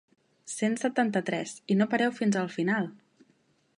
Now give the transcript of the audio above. Cent setanta-tres i no pareu fins al final!